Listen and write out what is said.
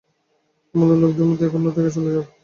তোমার লোকদের নিয়ে এখান থেকে চলে যাও!